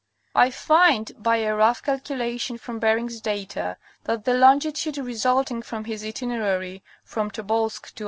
JI find by a rough calculation from Bering's data that the longi tude resulting from his itinerary from Tobolsk to.